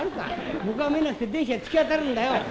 向こうが見えなくて電車に突き当たるんだよ。